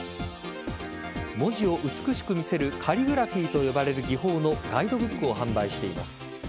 文字を美しく見せるカリグラフィーと呼ばれる技法のガイドブックを販売しています。